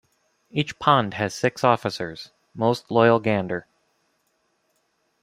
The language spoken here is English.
Each Pond has six officers: Most Loyal Gander.